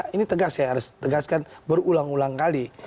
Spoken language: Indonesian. ini tegas saya harus tegaskan berulang ulang kali